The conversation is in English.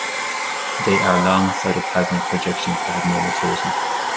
They are long cytoplasmic projections that have no motility.